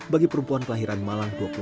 bagi perempuan kelahiran malang